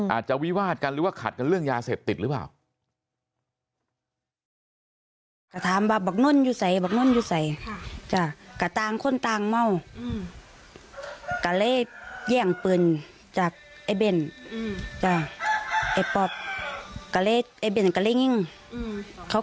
อาจจะวิวาดกันหรือว่าขัดกันเรื่องยาเสพติดหรือเปล่า